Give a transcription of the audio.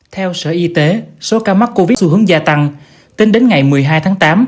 theo sở y tế số ca mắc covid xu hướng gia tăng tính đến ngày một mươi hai tháng tám